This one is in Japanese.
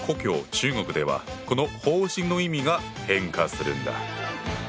中国ではこの「放心」の意味が変化するんだ。